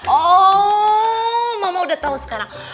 oh saya sudah tahu sekarang